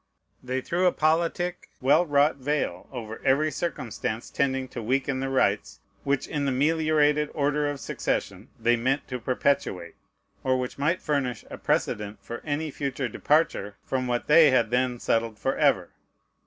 They threw a politic, well wrought veil over every circumstance tending to weaken the rights which in the meliorated order of succession they meant to perpetuate, or which might furnish a precedent for any future departure from what they had then settled forever.